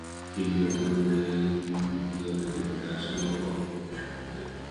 তিনি ওতাগো দলে দেরীতে আসেন ও গল্ফেও প্রশিক্ষণ দেন।